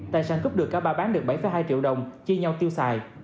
tài sản cướp được cả ba bán được bảy hai triệu đồng chia nhau tiêu xài